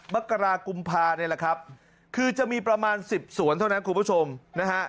มกรากุมภานี่แหละครับคือจะมีประมาณ๑๐สวนเท่านั้นคุณผู้ชมนะฮะ